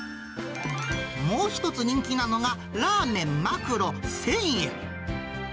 もう１つ人気なのが、らーめんマクロ１０００円。